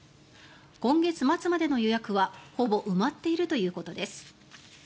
今月末までの予約はほぼ埋まっているということです。